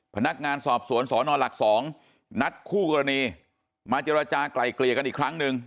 พนักงานสอบสวนสนหลัก๒นัดคู่กรณีมาเจรจากลายเกลี่ยกันอีกครั้งหนึ่ง